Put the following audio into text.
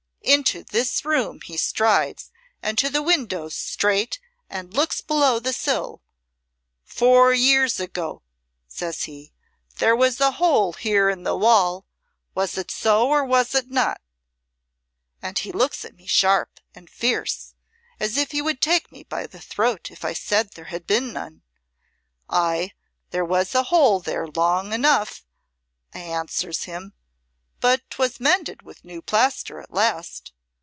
"Into this room he strides and to the window straight and looks below the sill. 'Four years ago,' says he, 'there was a hole here in the wall. Was't so or was't not?' and he looks at me sharp and fierce as if he would take me by the throat if I said there had been none. 'Ay, there was a hole there long enough,' I answers him, 'but 'twas mended with new plaster at last.